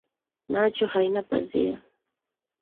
Macho haina pazia